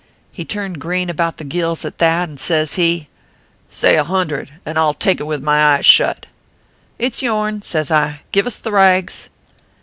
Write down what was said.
"He turned green about the gills at that, and says he :" Say $100, and I ll take it with my eyes shut. " It s yourn, says I. Give us the rags.